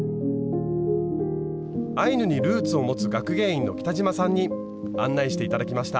アイヌにルーツを持つ学芸員の北嶋さんに案内して頂きました。